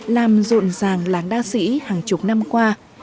làm rộn ràng làng đa sĩ hàng chục năm qua